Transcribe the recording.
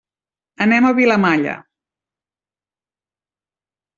Anem a Vilamalla.